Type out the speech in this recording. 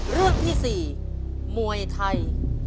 เรื่องที่๔มวยไทย